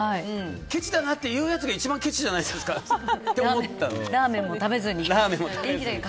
ケチだなっていう人が一番ケチじゃないですかってラーメンも食べずにね。